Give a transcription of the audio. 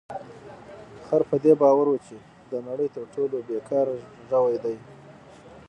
خر په دې باور و چې د نړۍ تر ټولو بې کاره ژوی دی.